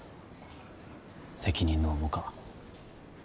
責任の重か。